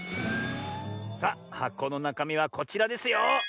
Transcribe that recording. さあはこのなかみはこちらですよ！